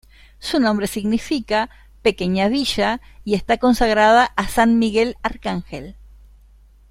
Su nombre significa "Pequeña Villa" y está consagrada a San Miguel Arcángel.